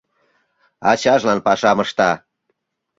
Ачажлан пашам ышта.